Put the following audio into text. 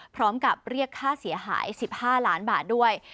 พร้อมกับเรียกค่าเสียหาย๑๕ล้านบาทด้วย